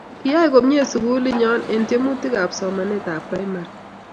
kiyai komye sukulit nyo eng' tyemutikab somanetab primary